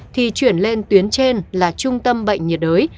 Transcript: thì chuyển lên tuyến trên là trung tâm bệnh nhiệt đới